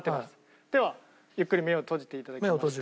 ではゆっくり目を閉じていただきまして。